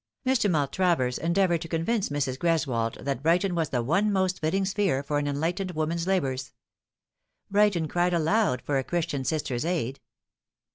Mr. Maltravers endeavoured to convince Mrs. Greswold that Brighton was the one most fitting sphere for an enlightened woman's labours. Brighton cried aloud for a Christian sister's aid.